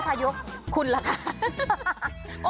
มัฆนายกคุณล่ะค่ะ